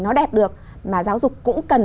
nó đẹp được mà giáo dục cũng cần